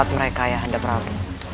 pendapat mereka ayahanda prabu